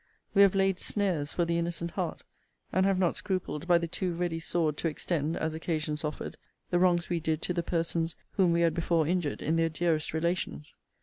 We have laid snares for the innocent heart; and have not scrupled by the too ready sword to extend, as occasions offered, the wrongs we did to the persons whom we had before injured in their dearest relations.